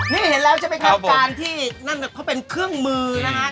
นี่เห็นแล้วจะเป็นการที่เค้าเป็นเครื่องมือนะฮะ